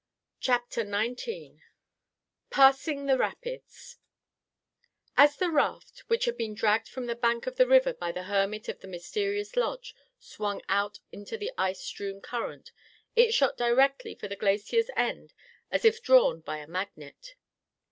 CHAPTER XIX PASSING THE RAPIDS As the raft, which had been dragged from the bank of the river by the hermit of the mysterious lodge, swung out into the ice strewn current, it shot directly for the glacier's end as if drawn by a magnet.